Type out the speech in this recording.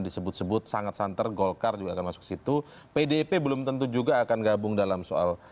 disebut sebut sangat santer golkar juga akan masuk situ pdip belum tentu juga akan gabung dalam soal